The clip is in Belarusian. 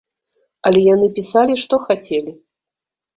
Але яны пісалі, што хацелі.